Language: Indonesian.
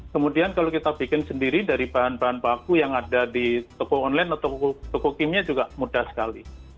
kemudian kalau kita bikin sendiri dari bahan bahan baku yang ada di toko online atau toko kimia juga mudah sekali